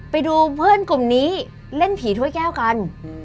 ไปดูเพื่อนกลุ่มนี้เล่นผีถ้วยแก้วกัน